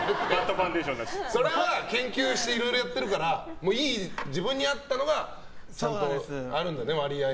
それは研究していろいろやってるから自分に合ったのがちゃんとあるんだね。